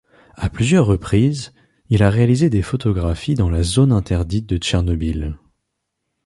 À plusieurs reprises, il a réalisé des photographies dans la zone interdite de Tchernobyl.